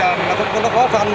bây giờ nó khó khăn